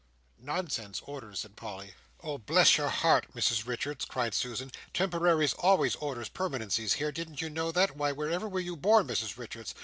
"Nonsense; orders," said Polly. "Oh! bless your heart, Mrs Richards," cried Susan, "temporaries always orders permanencies here, didn't you know that, why wherever was you born, Mrs Richards?